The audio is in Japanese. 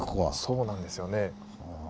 そうなんですよね。